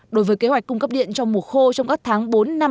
đối với kế hoạch cung cấp điện trong mùa khô trong các tháng bốn năm sáu bảy